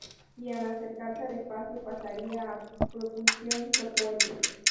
Y al acercarse al espacio pasaría a propulsión por cohetes.